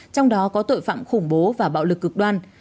trong đó có tội phạm khủng bố và bạo lực cực đoan